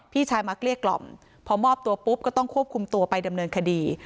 พอมอบตัวปุ๊บก็ต้องควบคุมตัวไปดำเนินคดี